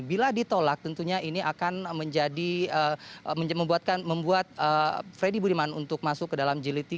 bila ditolak tentunya ini akan membuat freddy budiman untuk masuk ke dalam jilid tiga